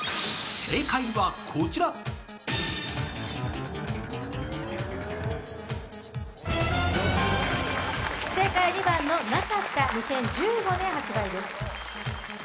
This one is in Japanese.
正解は２番のなかった２０１５年、発売です。